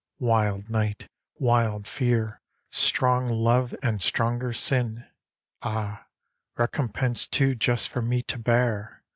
" Wild night ! wild fear ! strong love and stronger sin ! Ah, recompense too just for me to bear